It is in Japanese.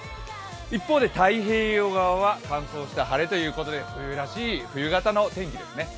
一方で太平洋側は乾燥した晴れということで冬らしい、冬型の天気ですね。